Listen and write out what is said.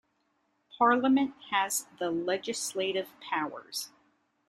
Parliament has the legislative powers.